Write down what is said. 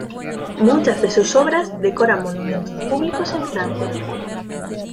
Muchas de sus obras decoran monumentos públicos en Francia.